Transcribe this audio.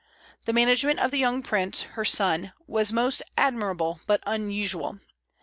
The management of the young prince, her son, was most admirable, but unusual.